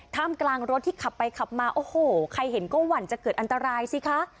ท่ามกลางรถที่ขับไปขับมาโอ้โหใครเห็นก็หวั่นจะเกิดอันตรายสิคะ